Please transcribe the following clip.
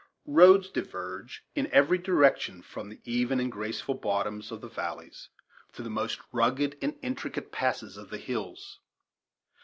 Roads diverge in every direction from the even and graceful bottoms of the valleys to the most rugged and intricate passes of the hills.